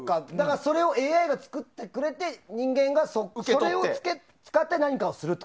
それをＡＩが作ってくれて人間が受け取って何かをすると。